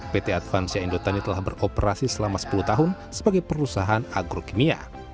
pt advansia indotani telah beroperasi selama sepuluh tahun sebagai perusahaan agrokimia